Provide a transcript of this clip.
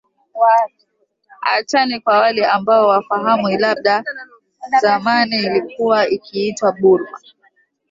achane kwa wale ambo hawafahamu labda zamani ilikuwa ikiitwa burma